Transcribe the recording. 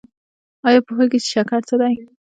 ایا پوهیږئ چې شکر څه دی؟